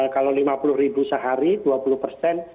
kalau lima puluh ribu sehari dua puluh persen